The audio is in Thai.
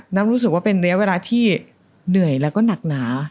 รู้สึกว่าเป็นระยะเวลาที่เหนื่อยแล้วก็หนักหนา